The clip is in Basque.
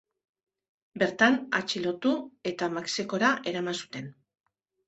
Bertan atxilotu eta Mexikora eraman zuten.